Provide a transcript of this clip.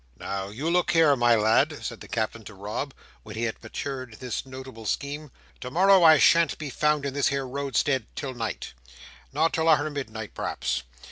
"Now, look ye here, my lad," said the Captain to Rob, when he had matured this notable scheme, "to morrow, I shan't be found in this here roadstead till night—not till arter midnight p'rhaps.